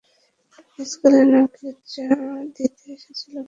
স্কুলে না গিয়ে চা দিতে এসেছিস কেন?